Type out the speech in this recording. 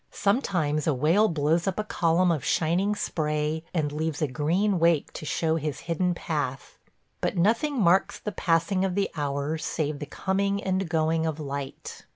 Sometimes a whale blows up a column of shining spray and leaves a green wake to show his hidden path. But nothing marks the passing of the hours save the coming and going of light.